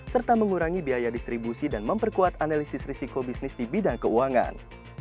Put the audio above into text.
serta mengurangi biaya distribusi dan memperkuat analisis risiko bisnis di bidang keuangan